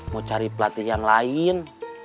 mau cari pelatihan lain